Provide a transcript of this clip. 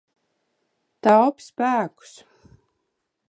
Taupi spēkus.